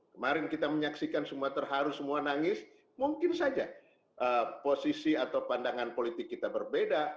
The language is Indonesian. kemarin kita menyaksikan semua terharu semua nangis mungkin saja posisi atau pandangan politik kita berbeda